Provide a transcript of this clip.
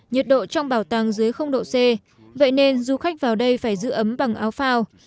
nhiệt độ trong bảo tàng dưới độ c vậy nên du khách vào đây phải giữ ấm bằng áo phao